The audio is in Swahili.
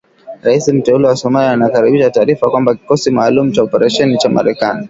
Rais mteule wa Somalia anakaribisha taarifa kwamba kikosi maalum cha operesheni cha Marekani